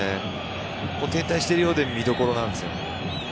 停滞しているようで見どころなんですよね。